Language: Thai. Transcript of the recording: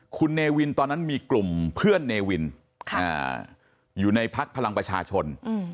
คุณเนวินตอนนั้นมีกลุ่มเพื่อนเนวินอยู่ในพักพลังประชาชน